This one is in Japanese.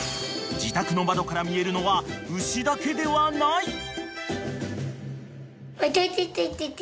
［自宅の窓から見えるのは牛だけではない］